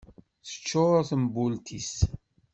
Tecčur tembult-is.